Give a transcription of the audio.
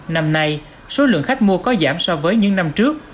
năm nay số lượng khách mua có giảm so với những năm trước